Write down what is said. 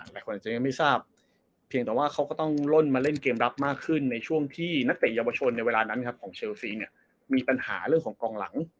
หลายคนอาจจะยังไม่ทราบเพียงแต่ว่าเขาก็ต้องล่นมาเล่นเกมรับมากขึ้นในช่วงที่นักเตะเยาวชนในเวลานั้นครับของเชลซีเนี่ยมีปัญหาเรื่องของกองหลัง